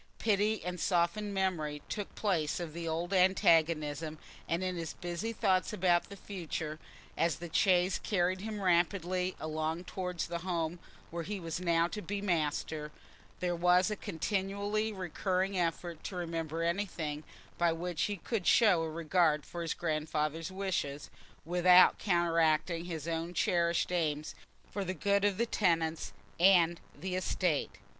Pity and softened memory took place of the old antagonism, and in his busy thoughts about the future, as the chaise carried him rapidly along towards the home where he was now to be master, there was a continually recurring effort to remember anything by which he could show a regard for his grandfather's wishes, without counteracting his own cherished aims for the good of the tenants and the estate.